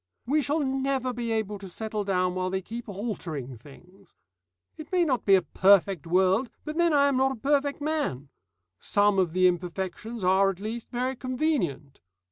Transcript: We shall never be able to settle down while they keep altering things. It may not be a perfect world, but then I am not a perfect man: Some of the imperfections are, at least, very convenient.